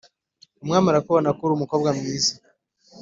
umwami arakubana ko uri umukobwa mwiza"